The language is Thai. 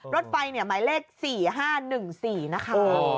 รถไฟเนี่ยหมายเลข๔๕๑๔นะคะ